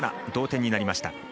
同点になりました。